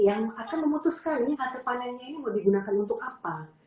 yang akan memutuskan ini hasil panennya ini mau digunakan untuk apa